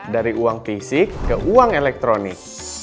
dari uang fisik ke uang elektronik